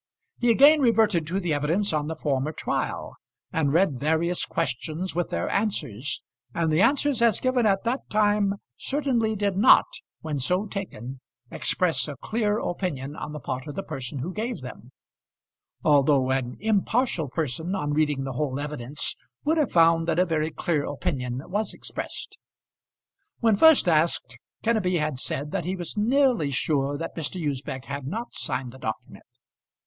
He again reverted to the evidence on the former trial, and read various questions with their answers; and the answers as given at that time certainly did not, when so taken, express a clear opinion on the part of the person who gave them; although an impartial person on reading the whole evidence would have found that a very clear opinion was expressed. When first asked, Kenneby had said that he was nearly sure that Mr. Usbech had not signed the document.